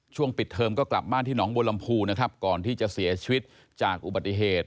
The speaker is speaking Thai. ช่วงปิดเทิมก็กลับบ้านที่น้องโบรัมภูก่อนที่จะเสียชีวิตจากอุบัติเหตุ